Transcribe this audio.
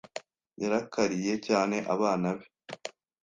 Yarakariye cyane abana be.